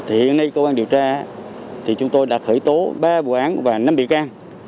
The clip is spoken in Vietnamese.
hiện nay công an điều tra chúng tôi đã khởi tố ba vụ án và năm bị can